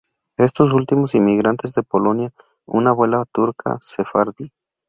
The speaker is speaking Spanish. Estos últimos inmigrantes de Polonia y una abuela turca sefardí.